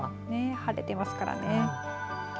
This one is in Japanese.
晴れていますからね。